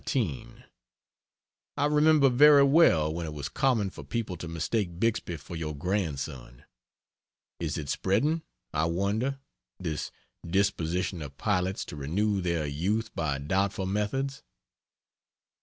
I remember very well when it was common for people to mistake Bixby for your grandson. Is it spreading, I wonder this disposition of pilots to renew their youth by doubtful methods?